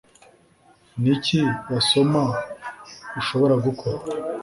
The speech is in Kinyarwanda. Niki Basoma ushobora gukora